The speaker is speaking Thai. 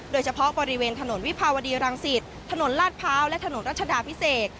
โดยเฉพาะบริเวณถนนวิภาวดีรังสิตถนนลาดพร้าวและถนนรัชดาพิเศษ